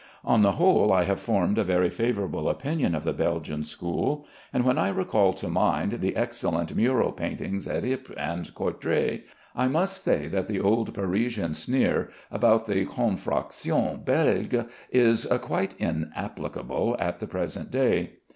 On the whole I have formed a very favorable opinion of the Belgian school, and when I recall to mind the excellent mural paintings at Ypres and Courtray, I must say that the old Parisian sneer about the "contrefaçon Belge" is quite inapplicable at the present day.